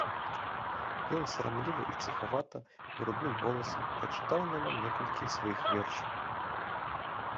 Ён сарамліва і ціхавата, грудным голасам, прачытаў нам некалькі сваіх вершаў.